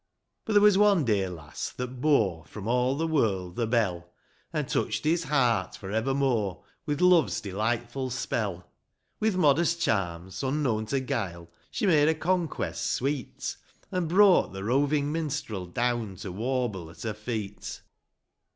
IV. But there was one dear lass that bore From all the world the bell, An touched his heart for evermore With love's delightful spell : With modest charms, unknown to guile, She made her conquest sweet, An' brought the roving minstrel down To warble at her feet.